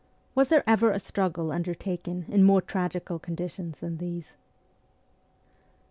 Was there ever a struggle undertaken in more tragical conditions than these?